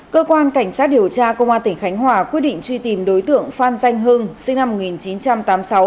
cơ quan cảnh sát điều tra công an tp phủ lý quyết định truy tìm đối tượng phan danh hưng sinh năm một nghìn chín trăm tám mươi sáu